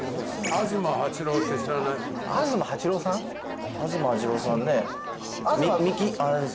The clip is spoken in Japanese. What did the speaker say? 東八郎さんね